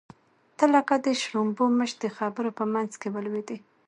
ته لکه د شړومبو مچ د خبرو په منځ کې ولوېدې.